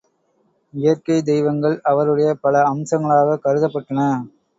இயற்கைத் தெய்வங்கள், அவருடைய பல அம்சங்களாகக் கருதப்பட்டன.